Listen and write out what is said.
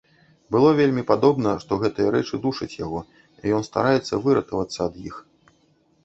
Было вельмі падобна, што гэтыя рэчы душаць яго і ён стараецца выратавацца ад іх.